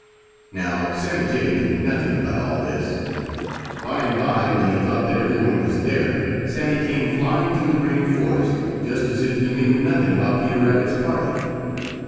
Now, Sammy Jay knew nothing about all this. By and by, when he thought that every one was there, Sammy came flying through the Green Forest, just as if he knew nothing about Peter Rabbit's party.